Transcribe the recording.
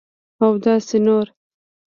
اوداسي نور